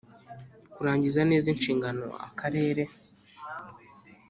Kurangiza neza inshingano akarere